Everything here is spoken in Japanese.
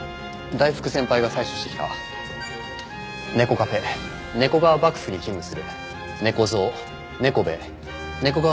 大福先輩が採取してきた猫カフェ猫川幕府に勤務するネコ蔵ネコ兵衛ネコ